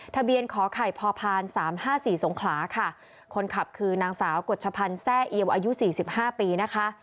ทะเบียนขอไข่พอพานสามห้าสี่สงขลาค่ะคนขับคือนางสาวกดชพันแซ่เอวอายุสิบห้าปีนะคะ